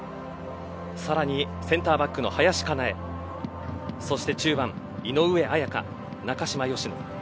さらにセンターバックの林香奈絵そして中盤、井上綾香中嶋淑乃。